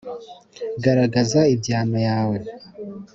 Garagaza ibyano yawe